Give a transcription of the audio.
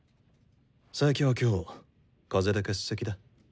佐伯は今日風邪で欠席だ。